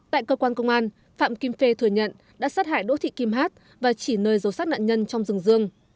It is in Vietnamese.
tại cơ quan công an phạm kim phê thừa nhận đã sát hại đỗ thị kim hát và chỉ nơi dấu sát nạn nhân trong rừng rương